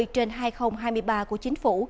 trên hai nghìn hai mươi ba của chính phủ